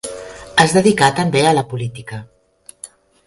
Es dedicà també a la política.